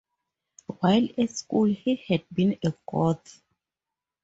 While at school, he had been a Goth.